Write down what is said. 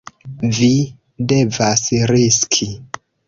Vi devas riski.